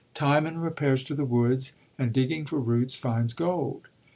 Timon repairs to the woods, and, digging for roots, finds gold.